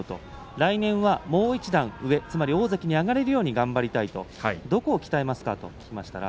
来年はもう一段上つまり大関に上がれるように頑張りたいとどこを鍛えますかと聞きました。